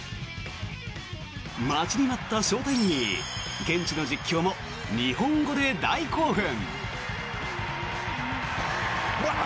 待ちに待ったショータイムに現地の実況も日本語で大興奮。